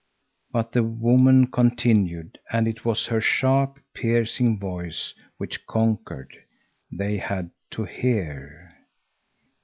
But the woman continued, and it was her sharp, piercing voice which conquered. They had to hear.